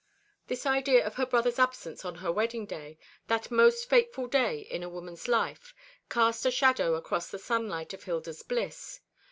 This idea of her brother's absence on her wedding day that most fateful day in a woman's life cast a shadow across the sunlight of Hilda's bliss.